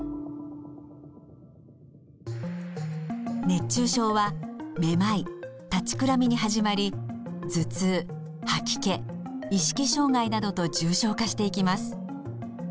熱中症はめまい立ちくらみに始まり頭痛吐き気意識障害などと重症化していきます。